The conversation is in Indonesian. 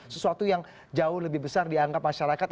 sesuatu yang jauh lebih besar dianggap masyarakat